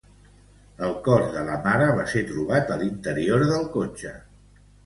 El cos de la mare va ser trobat a l’interior del cotxe.